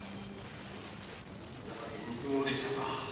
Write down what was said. やはり偽者でしたか。